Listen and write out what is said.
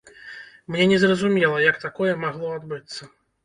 Мне незразумела, як такое магло адбыцца.